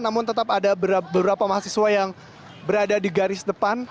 namun tetap ada beberapa mahasiswa yang berada di garis depan